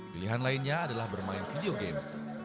pilihan lainnya adalah bermain video game